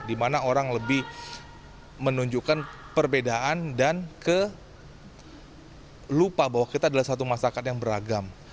dimana orang lebih menunjukkan perbedaan dan ke lupa bahwa kita adalah satu masyarakat yang beragam